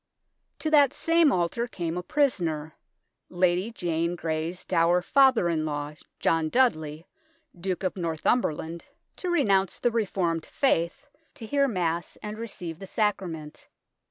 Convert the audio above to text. To that same altar came a prisoner, Lady Jane Grey's dour father in law, John Dudley, Duke of Northumberland, to renounce the 136 THE TOWER OF LONDON Reformed faith, to hear Mass and receive the Sacrament.